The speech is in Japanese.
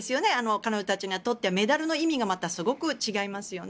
彼女たちにとってはメダルの意味がまたすごく違いますよね。